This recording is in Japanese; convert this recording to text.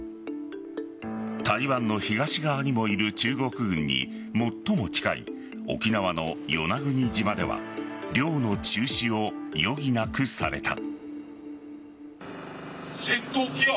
台湾の東側にもいる中国軍に最も近い沖縄の与那国島では漁の中止を余儀なくされた。